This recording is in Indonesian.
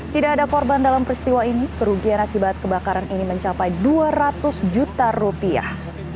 tidak ada korban dalam peristiwa ini kerugian akibat kebakaran ini mencapai dua ratus juta rupiah